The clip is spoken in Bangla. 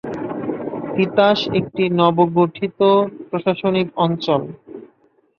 তিতাস একটি নবগঠিত প্রশাসনিক অঞ্চল।